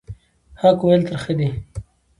حق ویل ترخه دي